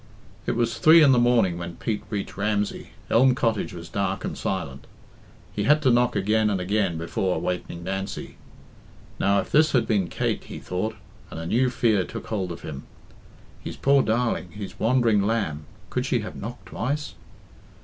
It was three in the morning when Pete reached Ramsey, Elm Cottage was dark and silent. He had to knock again and again before awakening Nancy. "Now, if this had been Kate!" he thought, and a new fear took hold of him. His poor darling, his wandering lamb, could she have knocked twice?